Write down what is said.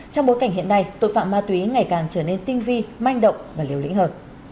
trong bối cảnh hiện nay tội phạm ma túy ngày càng trở nên tinh vi manh động và liều lĩnh hơn